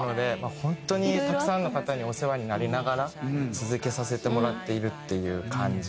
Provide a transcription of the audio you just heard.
本当にたくさんの方にお世話になりながら続けさせてもらっているっていう感じですね。